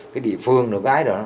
cái địa phương cái ai đó rất là nhiều